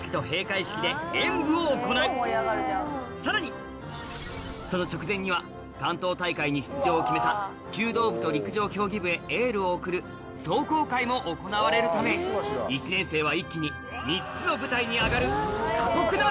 さらにその直前には関東大会に出場を決めた弓道部と陸上競技部へエールを送る壮行会も行われるため１年生は一気に３つの舞台に上がる